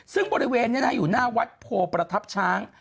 ซึ่งบริเวณนี้อยู่หน้าวัดโพประทับช้าง